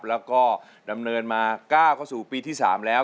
แล้วก็ดำเนินมาก้าวเข้าสู่ปีที่๓แล้ว